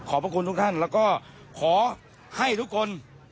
พระคุณทุกท่านแล้วก็ขอให้ทุกคน